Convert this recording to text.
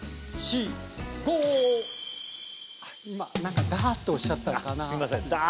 今なんか「ダー！」っておっしゃったかなあ。